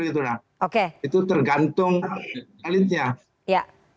itu tergantung elitnya